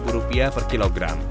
lima rupiah per kilogram